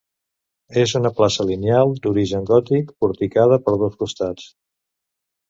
És una plaça lineal d'origen gòtic porticada per dos costats.